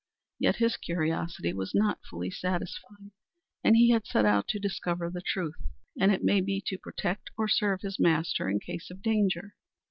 Yet his curiosity was not fully satisfied, and he had set out to discover the truth, and it may be to protect or serve his master in case of danger.